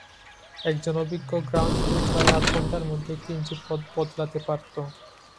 একজন অভিজ্ঞ ground crew প্রায় আধ ঘন্টার মধ্যে একটা ইঞ্জিন বদলাতে পারত।